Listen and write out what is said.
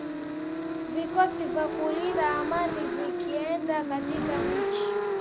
vikosi vya kulinda amani vikienda katika nchi